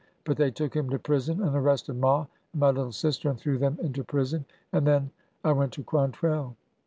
But they took him to prison, and arrested ma and my little sister and threw them into prison, and then— I went to Quantrell."